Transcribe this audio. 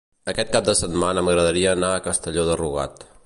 Aquest cap de setmana m'agradaria anar a Castelló de Rugat.